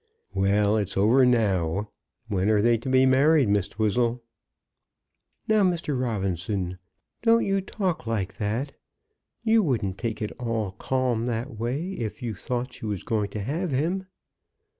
"Well; it's over now. When are they to be married, Miss Twizzle?" "Now, Mr. Robinson, don't you talk like that. You wouldn't take it all calm that way if you thought she was going to have him."